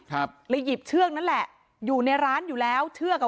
ครับเลยหยิบเชือกนั่นแหละอยู่ในร้านอยู่แล้วเชือกอ่ะ